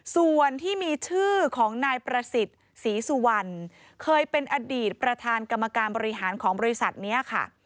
ส่วนที่มีชื่อของนายประสิทธิ์ศรีสุวรรณเคยเป็นอดีตประธานกรรมการบริหารของบริษัทนี้ค่ะ